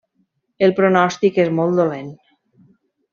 El pronòstic és molt dolent.